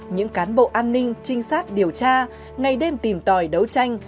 những cán bộ an ninh trinh sát điều tra ngày đêm tìm tòi đấu tranh